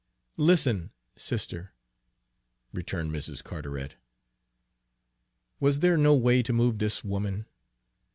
"Listen sister," returned Mrs. Carteret. Was there no way to move this woman?